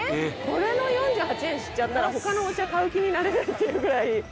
これの４８円知っちゃったら他のお茶買う気になれないっていうぐらい。